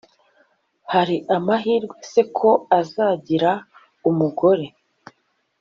hari amahirwe se ko azakgira umugore?